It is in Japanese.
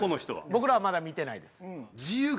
僕らはまだ見てないです。